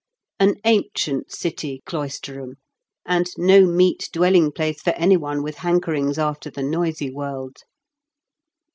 "An ancient city, Cloisterham, and no meet CL0I8TEBHAM. 45 dwelling place for anyone with hankerings after the noisy world.